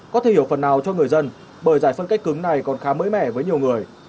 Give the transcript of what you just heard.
có thể hiểu phần nào cho người dân bởi giải phân cách cứng này còn khá mới mẻ với nhiều người